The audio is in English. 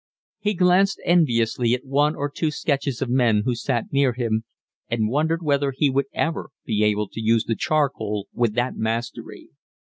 He glanced enviously at one or two sketches of men who sat near him, and wondered whether he would ever be able to use the charcoal with that mastery.